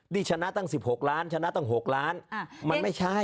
นี่ชนะตั้ง๑๖ล้านชนะตั้ง๖ล้านมันไม่ใช่